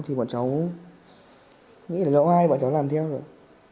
thì bọn cháu nghĩ là oai bọn cháu làm theo rồi